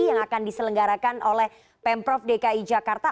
yang akan diselenggarakan oleh pemprov dki jakarta